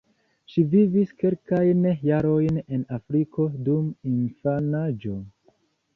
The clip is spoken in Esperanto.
Ŝi vivis kelkajn jarojn en Afriko dum infanaĝo.